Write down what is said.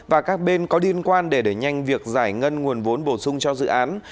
và các bên có liên quan để đẩy nhanh việc giải ngân nguồn vốn bổ sung cho dự án